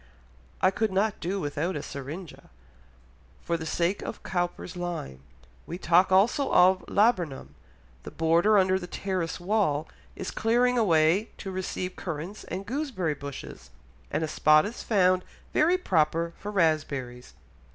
I could not do without a syringa, for the sake of Cowper's line. We talk also of a laburnum. The border under the terrace wall is clearing away to receive currants and gooseberry bushes, and a spot is found very proper for raspberries."